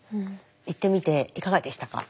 行ってみていかがでしたか？